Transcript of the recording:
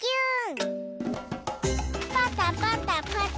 パタパタパタ。